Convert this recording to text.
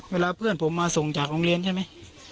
เวลาเพื่อนผมมาส่งจากโรงเรียนใช่ไหม